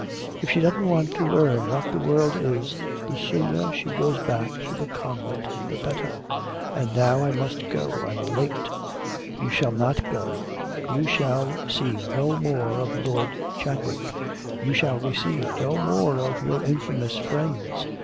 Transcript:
If she doesn't want to learn what the world is, the sooner she goes back to the convent the better. And now I must go; I'm late.' 'You shall not go. You shall see no more of Lord Chadwick. You shall receive no more of your infamous friends.